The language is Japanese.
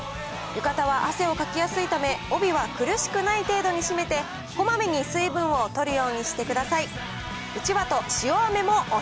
浴衣は汗をかきやすいため、帯は苦しくない程度に締めて、こまめに水分をとるようにしてください。